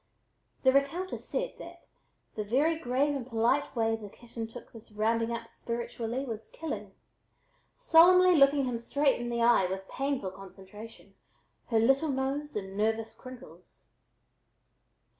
The recounter said that the very grave and polite way the kitten took this "rounding up spiritually" was killing, solemnly looking him straight in the eye with painful concentration, her little nose in nervous crinkles.